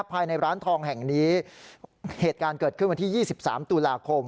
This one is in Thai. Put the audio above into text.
ภายในร้านทองแห่งนี้เหตุการณ์เกิดขึ้นวันที่๒๓ตุลาคม